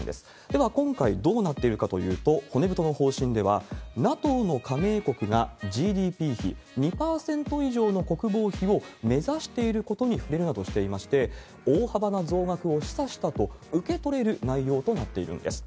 では、今回どうなっているかというと、骨太の方針では、ＮＡＴＯの加盟国がＧＤＰ費２％以上の国防費を目指していることに触れるなどしていまして、大幅な増額を示唆したと受け取れる内容となっているんです。